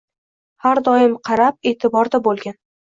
Har doim qarab, eʼtiborda boʻlgin.